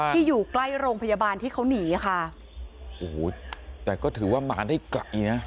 อยู่ใกล้โรงพยาบาลที่เขาหนีค่ะโอ้โหแต่ก็ถือว่ามาได้ไกลนะ